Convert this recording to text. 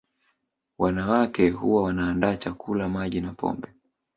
Wanawake huwa wanaandaa chakula Maji na pombe